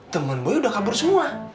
temen gue udah kabur semua